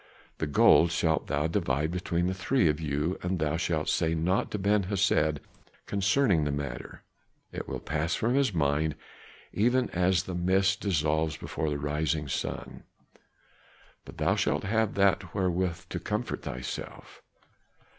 The gold shalt thou divide between the three of you, and thou shalt say naught to Ben Hesed concerning the matter; it will pass from his mind, even as the mist dissolves before the rising sun. But thou shalt have that wherewith to comfort thyself."